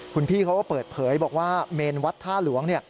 คุณพี่เขาก็เปิดเผยบอกว่าเมนวัดท่าหลวง